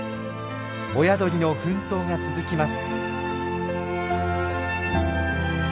親鳥の奮闘が続きます。